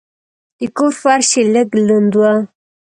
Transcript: د کور فرش یې لږ لند و.